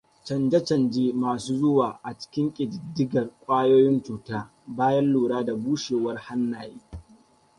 Canje-canje masu zuwa a cikin ƙididdigar ƙwayoyin cuta bayan lura da bushewar hannaye: